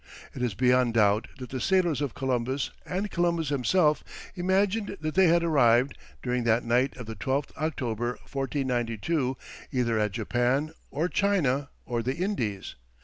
It is beyond doubt that the sailors of Columbus, and Columbus himself, imagined that they had arrived, during that night of the 12th October, 1492, either at Japan, or China, or the Indies.